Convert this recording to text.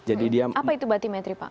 apa itu batimetri pak